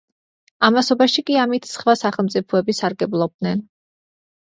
ამასობაში კი ამით სხვა სახელმწიფოები სარგებლობდნენ.